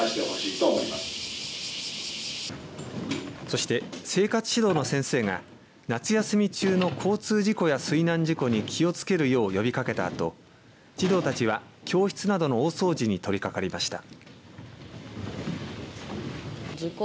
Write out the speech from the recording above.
そして生活指導の先生が夏休み中の交通事故や水難事故に気をつけるよう呼びかけたあと児童たちは教室などの大掃除に取り掛かりました。